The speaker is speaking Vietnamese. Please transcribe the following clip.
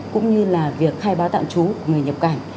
cũng như là việc khai báo tạm trú người nhập cảnh